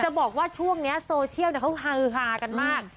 บอกว่าช่วงนี้โซเชียลเขาฮือฮากันมาก